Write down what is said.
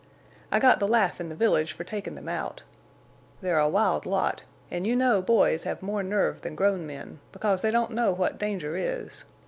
I got the laugh in the village fer takin' them out. They're a wild lot, an' you know boys hev more nerve than grown men, because they don't know what danger is.